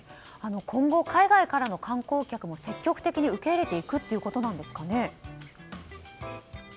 今後、海外からの観光客も積極的に受け入れていくということなんですかね？